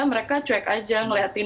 mereka cek aja ngeliatin